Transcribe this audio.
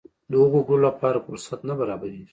د هغو وګړو لپاره فرصت نه برابرېږي.